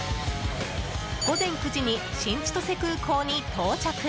午前９時に新千歳空港に到着。